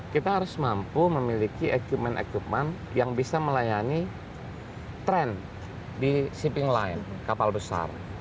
kita harus mampu memiliki equiment equipment yang bisa melayani tren di shipping line kapal besar